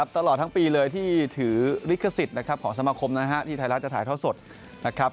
ตลอดทั้งปีเลยที่ถือลิขสิทธิ์ของสมคมนะครับที่ไทยรัฐจะถ่ายเท่าสดนะครับ